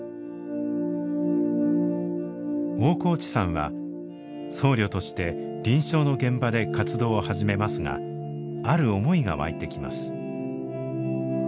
大河内さんは僧侶として臨床の現場で活動を始めますがある思いが湧いてきます。